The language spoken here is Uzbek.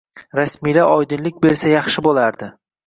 Rasmiylar oydinlik bersa yaxshi bo'lardi